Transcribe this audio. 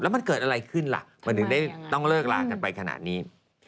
มันเกิดอะไรขึ้นล่ะมันถึงได้ต้องเลิกลากันไปขนาดนี้